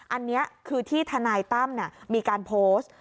อันนี้คือที่ทนายตั้มมีการโพสต์